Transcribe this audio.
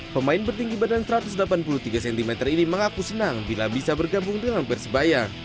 pemain bertinggi badan satu ratus delapan puluh tiga cm ini mengaku senang bila bisa bergabung dengan persebaya